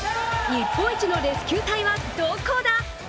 日本一のレスキュー隊はどこだ？